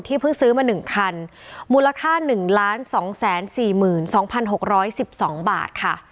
เพิ่งซื้อมา๑คันมูลค่า๑๒๔๒๖๑๒บาทค่ะ